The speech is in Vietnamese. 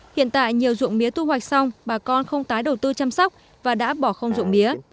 hiện tại nhiều dụng mía thu hoạch xong bà con không tái đầu tư chăm sóc và đã bỏ không dụng mía